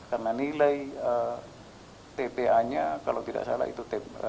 karena nilai tpa nya kalau tidak salah itu delapan puluh tiga